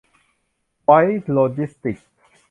ไวส์ โลจิสติกส์